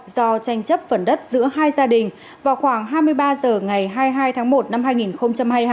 do tranh chấp phần đất giữa hai gia đình vào khoảng hai mươi ba h ngày hai mươi hai tháng một năm hai nghìn hai mươi hai